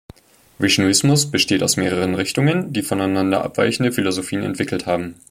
Vishnuismus besteht aus mehreren Richtungen, die voneinander abweichende Philosophien entwickelt haben.